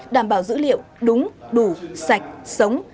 đảm bảo dữ liệu đúng đủ sạch sống